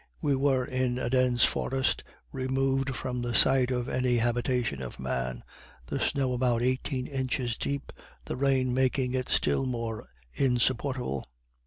We were in a dense forest, removed from the sight of any habitation of man, the snow about eighteen inches deep, the rain making it still more insupportable.